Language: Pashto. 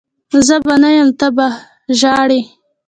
زه به نه یم ته به ژهړي